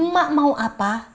mak mau apa